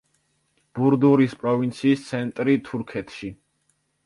ბურდურის პროვინციის ცენტრი თურქეთში.